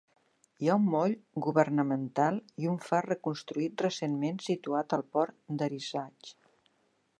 Hi ha un moll governamental i un far reconstruït recentment situat al port d'Arisaig.